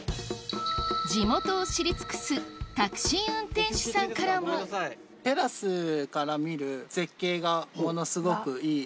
地元を知り尽くすタクシー運転手さんからもがものすごくいい。